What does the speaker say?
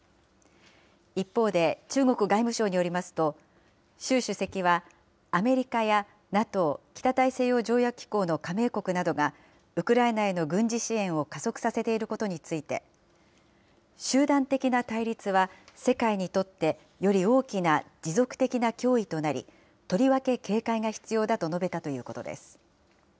一方で、中国外務省によりますと、習主席はアメリカやＮＡＴＯ・北大西洋条約機構の加盟国などが、ウクライナへの軍事支援を加速させていることについて、集団的な対立は世界にとってより大きな持続的な脅威となり、とりわけ警戒が必要だと述べたということです。